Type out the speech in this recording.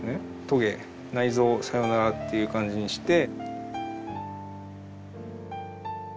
トゲ内臓さよならっていう感じにして。